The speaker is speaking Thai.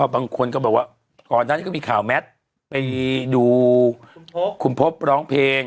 บางคนก็บอกว่าก่อนนั้นก็มีข่าวแม่ตไปดูคุณภพร้อมรองเพลง